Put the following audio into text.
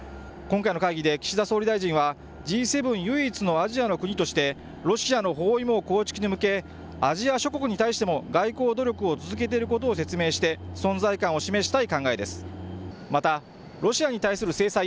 今回の会議で岸田総理大臣は、Ｇ７唯一のアジアの国として、ロシアの包囲網構築に向け、アジア諸国に対しても外交努力を続けていることを説明して、存在感を示し